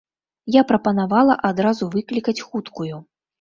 Я прапанавала адразу выклікаць хуткую.